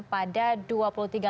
pada dua jam